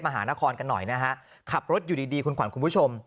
มหานครกันหน่อยนะฮะขับรถอยู่ดีดีคุณขวัญคุณผู้ชม